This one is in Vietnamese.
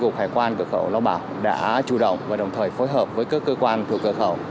cục hải quan cửa khẩu lao bảo đã chủ động và đồng thời phối hợp với các cơ quan thuộc cửa khẩu